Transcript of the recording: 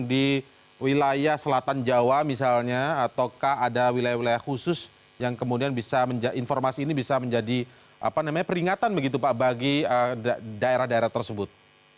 di wilayah selatan jawa misalnya ataukah ada wilayah wilayah khusus yang kemudian bisa informasi ini bisa menjadi peringatan begitu pak bagi daerah daerah tersebut